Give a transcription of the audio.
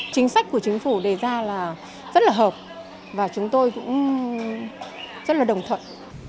chính sách của chính phủ đề ra là rất là hợp và chúng tôi cũng rất là đồng thuận